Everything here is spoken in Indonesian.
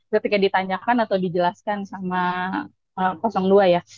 ketika ditanyakan atau dijelaskan sama dua ya